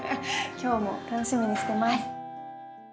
今日も楽しみにしてます。